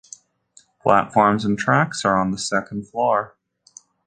Platforms and tracks are on the second floor.